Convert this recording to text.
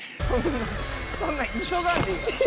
そんな急がんでいい。